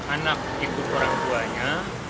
anak ikut orang tuanya